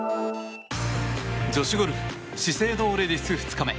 女子ゴルフ資生堂レディス２日目。